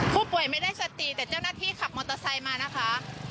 ไม่ได้สติแต่เจ้าหน้าที่ขับมอเตอร์ไซค์มานะคะ